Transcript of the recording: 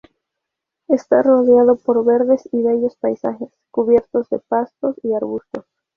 Está rodeado por verdes y bellos paisajes, cubiertos de pastos y arbustos.